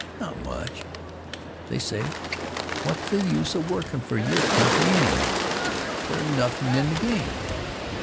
Not much. They say: "What's the use of workin' for your country anyhow? There's nothin' in the game."